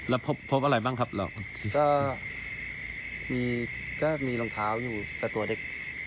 แล้วพบอะไรบ้างหรอก็มีรองเท้าอยู่ก็ตัวเด็ก